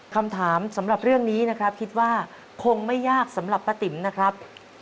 คำถามสำหรับเรื่องนี้นะครับคิดว่าคงไม่ยากสำหรับป้าติ๋มนะครับ